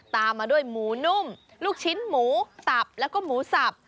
ตามมาด้วยหมูนุ่มลูกชิ้นหมูตับแล้วก็หมูสับ